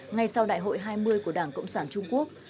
ngay sau đại hội hai mươi của đảng cộng sản trung quốc